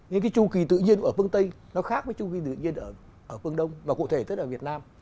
nhưng cái chu kỳ tự nhiên ở phương tây nó khác với chu kỳ tự nhiên ở phương đông và cụ thể tết ở việt nam